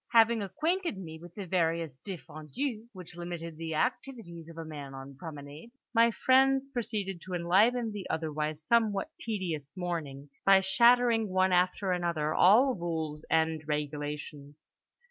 Having acquainted me with the various défendus which limited the activities of a man on promenade, my friends proceeded to enliven the otherwise somewhat tedious morning by shattering one after another all rules and regulations.